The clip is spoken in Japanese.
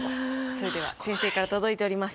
それでは先生から届いております。